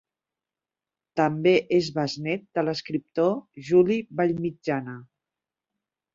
També és besnét de l'escriptor Juli Vallmitjana.